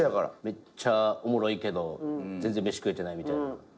めっちゃおもろいけど全然飯食えてないみたいな。